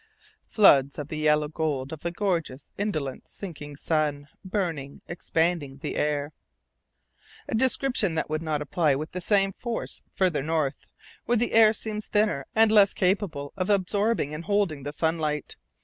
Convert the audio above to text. "Floods of the yellow gold of the gorgeous, Indolent sinking sun, burning, expanding the air," a description that would not apply with the same force farther north, where the air seems thinner and less capable of absorbing and holding the sunlight.